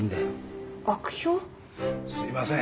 すいません。